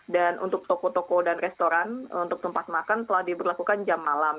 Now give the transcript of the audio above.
dan untuk toko toko dan restoran untuk tempat makan telah diberlakukan jam malam